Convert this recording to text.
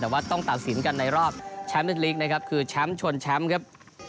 แต่ว่าต้องตัดสินกันในรอบแชมป์ในลีกนะครับคือแชมป์ชนแชมป์ครับ